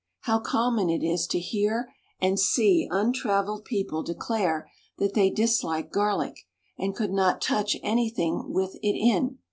How common it is to hear and see untraveled people declare that they dislike garlic, and could not touch anything with it in.